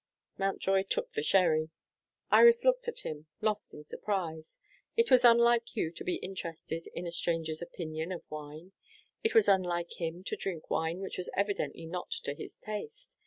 Mountjoy took the sherry. Iris looked at him, lost in surprise. It was unlike Hugh to be interested in a stranger's opinion of wine. It was unlike him to drink wine which was evidently not to his taste.